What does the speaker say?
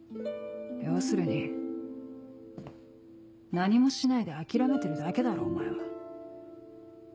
要するに何もしないで諦めてるだけだろお前は。